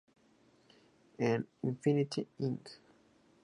En "Infinity Inc.